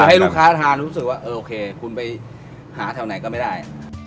ให้ลูกค้าทานรู้สึกว่าเออโอเคคุณไปหาแถวไหนก็ไม่ได้